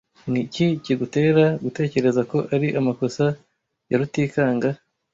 Ni iki kigutera gutekereza ko ari amakosa ya Rutikanga ?